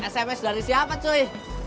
sms dari siapa cuy